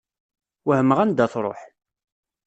Wehmeɣ anda tṛuḥ.